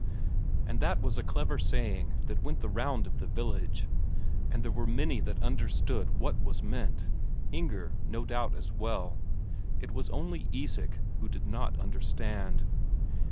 And that was a clever saying that went the round of the village, and there were many that understood what was meant Inger no doubt as well; it was only Isak who did not understand.